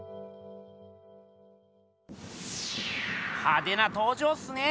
派手な登場っすね！